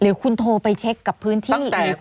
คุณโทรไปเช็คกับพื้นที่